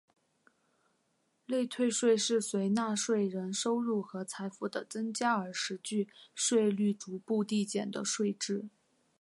累退税是随纳税人收入和财富的增加而实际税率逐步递减的税制。